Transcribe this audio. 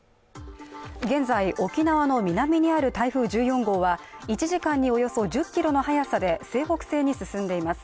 現在沖縄の南にある台風１４号は１時間におよそ１０キロの速さで西北西に進んでいます。